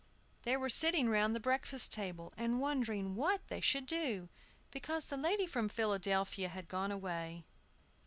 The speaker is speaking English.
THEY were sitting round the breakfast table, and wondering what they should do because the lady from Philadelphia had gone away.